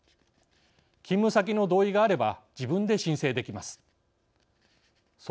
勤務先の同意があれば自分で申請できます。